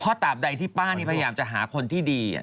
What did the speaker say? ตามใดที่ป้านี่พยายามจะหาคนที่ดี